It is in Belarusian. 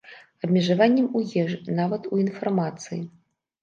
Абмежаваннем у ежы, нават у інфармацыі.